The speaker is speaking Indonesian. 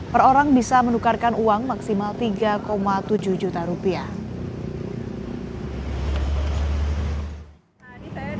per orang bisa menukarkan uang maksimal tiga tujuh juta rupiah